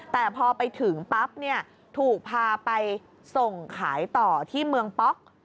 แต่พอไปถึงปั๊บเนี่ยถูกพาไปส่งขายต่อที่เมืองป๊อก